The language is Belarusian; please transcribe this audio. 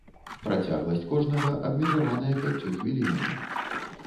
Працягласць кожнага абмежаваная пяццю хвілінамі.